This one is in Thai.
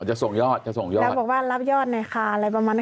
จะส่งยอดจะส่งยอดแล้วบอกว่ารับยอดหน่อยค่ะอะไรประมาณนั้น